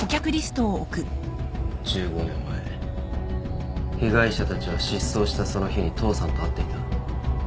１５年前被害者たちは失踪したその日に父さんと会っていた。